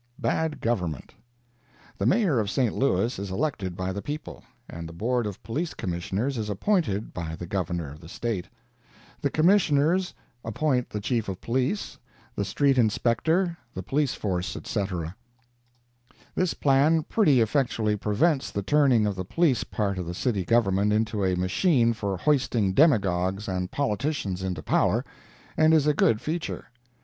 BAD GOVERNMENT The Mayor of St. Louis is elected by the people, and the Board of Police Commissioners is appointed by the Governor of the State. The Commissioners appoint the Chief of Police, the Street Inspector, the police force, etc. This plan pretty effectually prevents the turning of the police part of the City Government into a machine for hoisting demagogues and politicians into power, and is a good feature.